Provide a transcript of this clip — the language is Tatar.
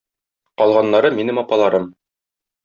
Калганнары - минем апаларым.